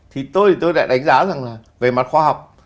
thì tôi đã đánh giá rằng là về mặt khoa học